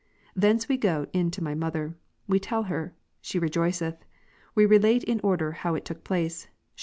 Thence we go in to my mother ; we tell her ; she rejoiceth : we relate in order how it took pla'ce ; she Eph.